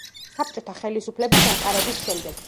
საბჭოთა ხელისუფლების დამყარების შემდეგ.